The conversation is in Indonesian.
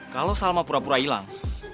kalau salma pura pura hilang